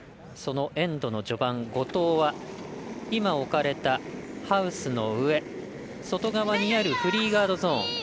そのエンドの序盤、５投は今、置かれたハウスの上外側にあるフリーガードゾーン